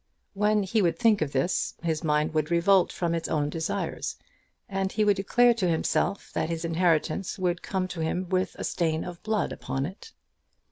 When he would think of this, his mind would revolt from its own desires, and he would declare to himself that his inheritance would come to him with a stain of blood upon it.